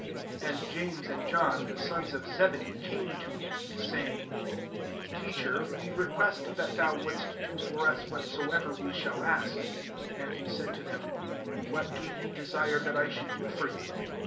^* 35 And James and John, die sons of Zebedee, came to him, saying, " Teacher, we request that thou wouldst do for us whatsoever we shall ask.*' 36 And he said to them, " What do ye desire that I should do for you